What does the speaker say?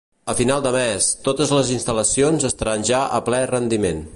A final de mes, totes les instal·lacions estaran ja a ple rendiment.